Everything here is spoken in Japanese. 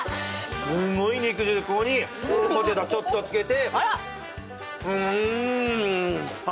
すごい肉汁、ここにポテトちょっとつけて。